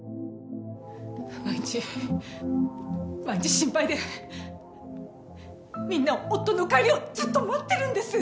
毎日、毎日心配でみんな、夫の帰りをずっと待ってるんです。